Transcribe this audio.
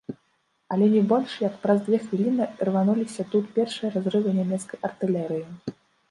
Але не больш як праз дзве хвіліны рвануліся тут першыя разрывы нямецкай артылерыі.